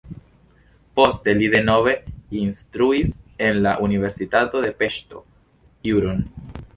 Poste li denove instruis en la universitato de Peŝto juron.